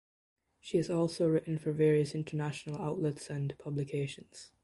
She has also written for various international outlets and publications.